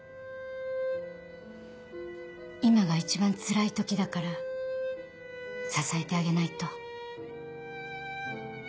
今が一番つらい時だから支えてあげないと。